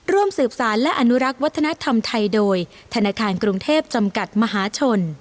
ร่วมสืบสารและอนุรักษ์วัฒนธรรมไทยโดยธนาคารกรุงเทพจำกัดมหาชน